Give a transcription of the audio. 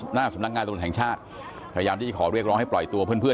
หน้าสำนักงานตำรวจแห่งชาติพยายามที่จะขอเรียกร้องให้ปล่อยตัวเพื่อน